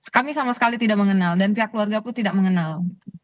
kami sama sekali tidak mengenal dan pihak keluarga pun tidak mengenal